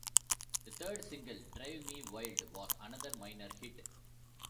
The third single, "Drive Me Wild", was another minor hit.